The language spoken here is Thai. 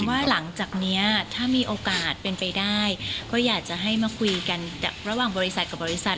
ว่าหลังจากนี้ถ้ามีโอกาสเป็นไปได้ก็อยากจะให้มาคุยกันระหว่างบริษัทกับบริษัท